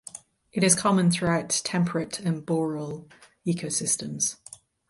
It is common throughout temperate and boreal ecosystems.